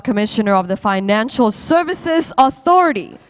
komisioner komisari pemerintah komersil